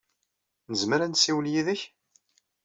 Nezmer ad nessiwel yid-k?